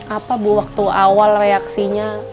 apa bu waktu awal reaksinya